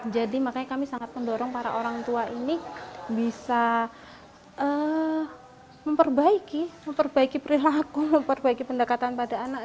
jadi makanya kami sangat mendorong para orang tua ini bisa memperbaiki perilaku memperbaiki pendekatan pada anak